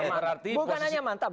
bukan hanya mantap